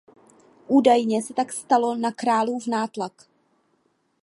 Údajně se tak stalo na králův nátlak.